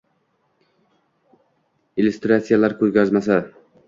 Illyustratsiyalar ko‘rgazmasi